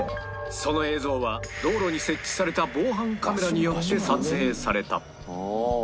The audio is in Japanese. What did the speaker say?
その映像は道路に設置された防犯カメラによって撮影された